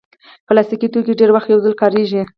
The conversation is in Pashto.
پلاستيکي توکي ډېری وخت یو ځل کارېږي.